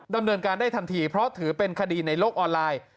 ดำเนินการได้ทันทีเพราะถือเป็นคดีในโลกออนไลน์